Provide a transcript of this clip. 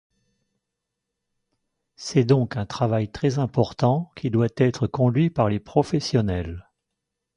C'est donc un travail très important qui doit être conduit par les professionnels.